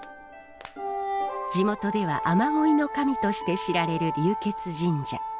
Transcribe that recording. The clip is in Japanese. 地元では雨乞いの神として知られる龍穴神社。